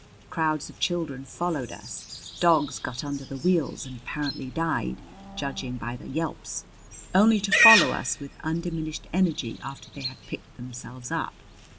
Crowds of children followed us; dogs got under the wheels and apparently died, judging by the yelps only to follow us with undiminished energy after they had picked themselves up.